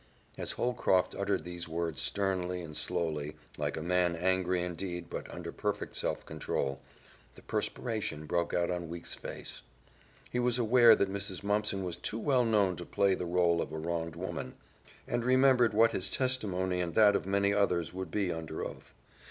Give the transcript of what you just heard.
As Holcroft uttered these words sternly and slowly, like a man angry indeed but under perfect self control, the perspiration broke out on Weeks' face. He was aware that Mrs. Mumpson was too well known to play the role of a wronged woman, and remembered what his testimony and that of many others would be under oath.